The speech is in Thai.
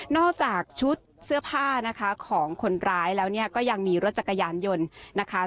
จากชุดเสื้อผ้านะคะของคนร้ายแล้วเนี่ยก็ยังมีรถจักรยานยนต์นะคะ